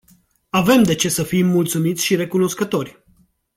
Avem de ce să fim mulțumiți și recunoscători.